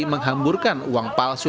mengamburkan uang palsu